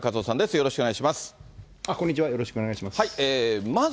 よろしくお願いします。